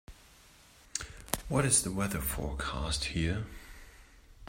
What is the weather forecast here